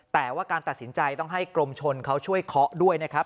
แต่ว่าการตัดสินใจต้องให้กรมชนเขาช่วยเคาะด้วยนะครับ